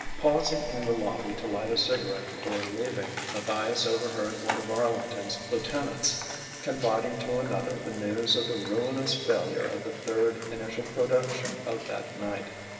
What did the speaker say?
Pausing in the lobby to light a cigarette before leaving, Matthias overheard one of Arlington's lieutenants confiding to another the news of the ruinous failure of the third initial production of that night.